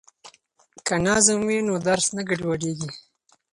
که نظم وي نو درس نه ګډوډیږي.